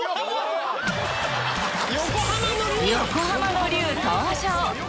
横浜の龍登場！